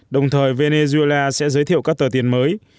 đồng thời venezuela sẽ giới thiệu các tờ tiền mới